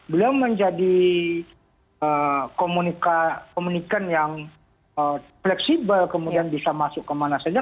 beliau menjadi komunikan yang fleksibel kemudian bisa masuk kemana saja